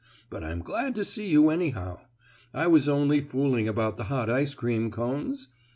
But I'm glad to see you anyhow. I was only fooling about hot ice cream cones.